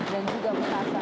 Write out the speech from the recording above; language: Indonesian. dan juga merasa